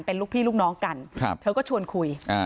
เป็นลูกพี่ลูกน้องกันเธอก็ชวนคุย